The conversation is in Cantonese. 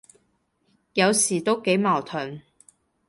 有時都幾矛盾，